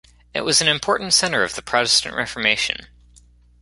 It was an important center of the Protestant Reformation.